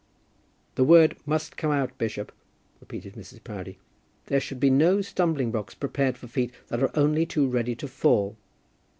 "The word must come out, bishop," repeated Mrs. Proudie. "There should be no stumbling blocks prepared for feet that are only too ready to fall."